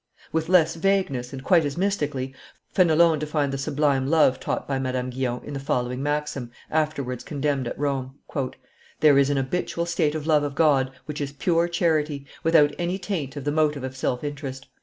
With less vagueness, and quite as mystically, Fenelon defined the sublime love taught by Madame Guyon in the following maxim, afterwards condemned at Rome: "There is an habitual state of love of God which is pure charity, without any taint of the motive of self interest.